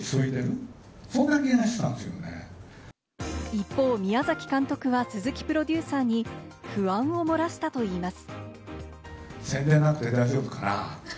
一方、宮崎監督は鈴木プロデューサーに不安を漏らしたといいます。